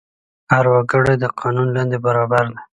هر وګړی د قانون لاندې برابر دی.